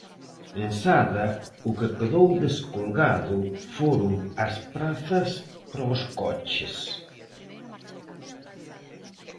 En Sada, o que quedou descolgado foron as prazas para os coches.